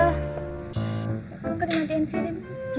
kok udah nantiin si adin